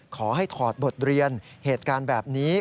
ถอดบทเรียนเหตุการณ์แบบนี้